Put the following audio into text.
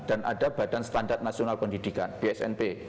dan ada badan standar nasional pendidikan bsnp